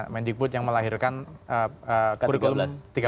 mendikbud yang melahirkan kurikulum tiga puluh